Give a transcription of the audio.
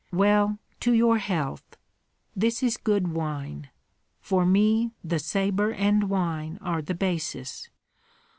"Well, to your health! This is good wine; for me the sabre and wine are the basis.